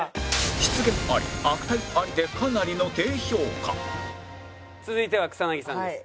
失言あり悪態ありでかなりの低評価続いては草薙さんです。